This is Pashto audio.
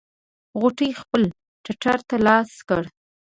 غوټۍ خپل ټټر ته لاس کړ.